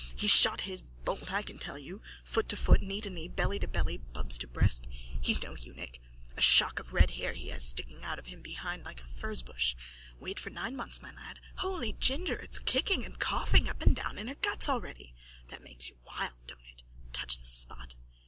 He shot his bolt, I can tell you! Foot to foot, knee to knee, belly to belly, bubs to breast! He's no eunuch. A shock of red hair he has sticking out of him behind like a furzebush! Wait for nine months, my lad! Holy ginger, it's kicking and coughing up and down in her guts already! That makes you wild, don't it? Touches the spot?